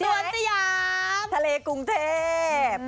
เมริกาประเทศกรุงเทพฯ